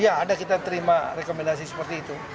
iya ada kita terima rekomendasi seperti itu